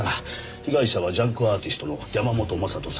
被害者はジャンクアーティストの山本将人さん。